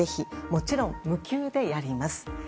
もちろん無給でやります。